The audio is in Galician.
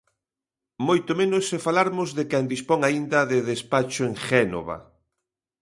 Moito menos se falarmos de quen dispón aínda de despacho en Génova.